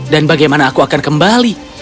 dan bagaimana aku akan kembali